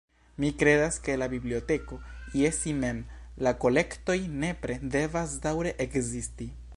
Mi kredas ke la biblioteko je si mem, la kolektoj, nepre devas daŭre ekzisti.